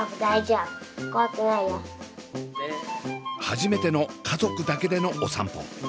初めての家族だけでのお散歩。